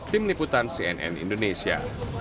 tim liputan cnn indonesia